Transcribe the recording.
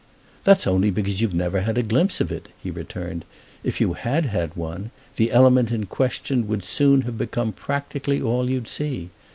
"That's only because you've never had a glimpse of it," he returned. "If you had had one the element in question would soon have become practically all you'd see.